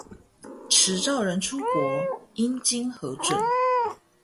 持照人出國應經核准